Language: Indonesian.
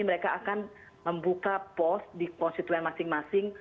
mereka akan membuka pos di konstituen masing masing